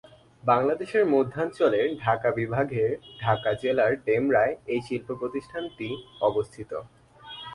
বাংলাদেশের মধ্যাঞ্চলের ঢাকা বিভাগের ঢাকা জেলার ডেমরায় এই শিল্প প্রতিষ্ঠানটি অবস্থিত।